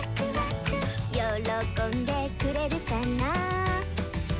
「よろこんでくれるかな？」